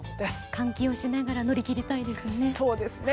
換気をしながら乗り切りたいですね。